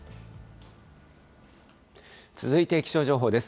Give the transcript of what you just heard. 続いて気象情報です。